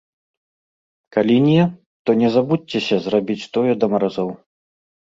Калі не, то не забудзьцеся зрабіць тое да маразоў.